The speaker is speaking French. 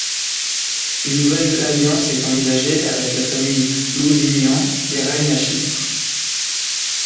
Une nouvelle alliance est envisagée avec la famille Lusignan qui règne à Chypre.